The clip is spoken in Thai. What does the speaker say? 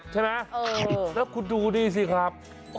ใช่ไหมแล้วคุณดูนี่สิครับ